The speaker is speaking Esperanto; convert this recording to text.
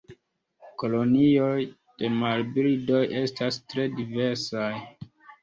Kolonioj de marbirdoj estas tre diversaj.